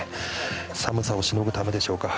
寒さをしのぐためでしょうか。